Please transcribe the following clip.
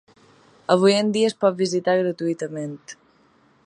Avui en dia es pot visitar gratuïtament.